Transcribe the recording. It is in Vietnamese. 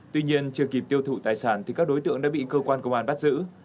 tuy nhiên chưa kịp tiêu thụ tài sản thì các đối tượng đã bị cơ quan công an bắt giữ